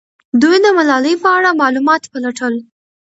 دوی د ملالۍ په اړه معلومات پلټل.